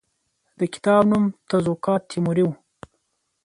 د کتاب نوم تزوکات تیموري وو.